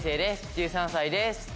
１３歳です。